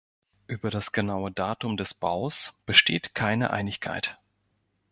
Über das genaue Datum des Baus besteht keine Einigkeit.